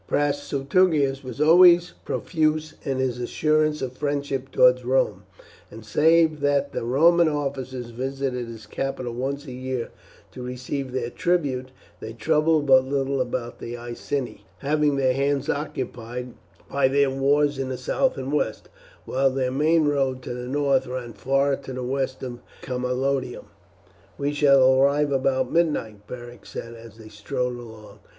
Prasutagus was always profuse in his assurance of friendship towards Rome, and save that the Roman officers visited his capital once a year to receive their tribute, they troubled but little about the Iceni, having their hands occupied by their wars in the south and west, while their main road to the north ran far to the west of Camalodunum. "We shall arrive about midnight," Beric said as they strode along.